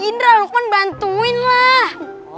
indra luqman bantuin lah